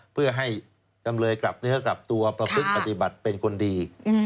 เพื่อให้จำเลยกลับเนื้อกลับตัวประพฤติปฏิบัติเป็นคนดี